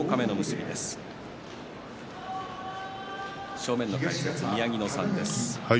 正面の解説宮城野さんです。